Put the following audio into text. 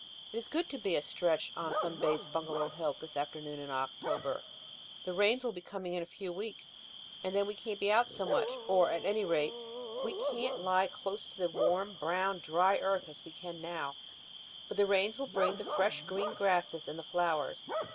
It is good to be a stretch on sunbathed Bungalow Hill this afternoon in October. The rains will be coming in a few weeks and then we can't be out so much. Or at any rate we can't lie close to the warm, brown, dry earth as we can now. But the rains will bring the fresh, green grasses and the flowers.